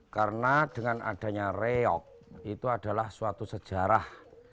karena dengan adanya reok itu adalah suatu sejarah